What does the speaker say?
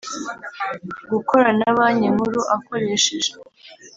Gukora na banki nkuru akoresheje